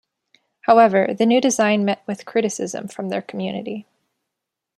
However, the new design met with criticism from their community.